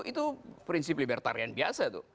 itu prinsip libertarian biasa tuh